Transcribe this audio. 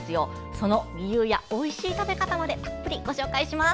その理由やおいしい食べ方までたっぷりご紹介します。